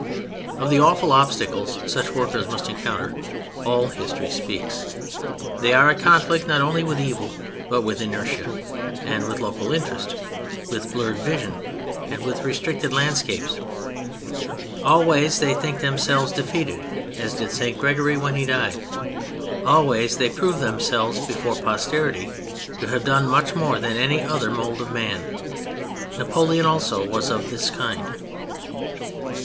Of the awful obstacles such workers must encounter all history speaks. They are at conflict not only with evil, but with inertia; and with local interest, with blurred vision and with restricted landscapes. Always they think themselves defeated, as did St. Gregory when he died. Always they prove themselves before posterity to have done much more than any other mold of man. Napoleon also was of this kind.